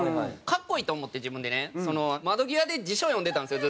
格好いいと思って自分でね窓際で辞書を読んでたんですよ